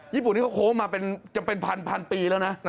ญี่ปุ่นที่เขาโค้งมาจะเป็นพันปีแล้วนะ